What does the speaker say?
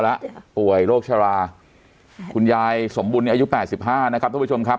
แล้วป่วยโรคชะลาคุณยายสมบุญอายุ๘๕นะครับท่านผู้ชมครับ